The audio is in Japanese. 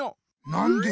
なんで？